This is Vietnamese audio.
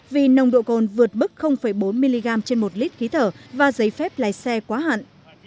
vì nồng độ cồn vượt bức bốn mg trên một lít khí thở và giấy phép lái xe quá hạn